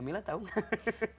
mamilla tahu nggak